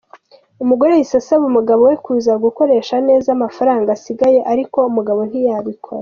Umugore yahise asaba umugabo we kuza gukoresha neza amafaranga asigaye ariko umugabo ntiyabikora.